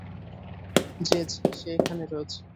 Jazz, সে এখানে রয়েছে।